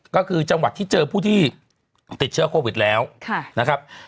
ก็คือจังหวัดที่เจอผู้ที่ติดเชื้อโควิดแล้วนะครับ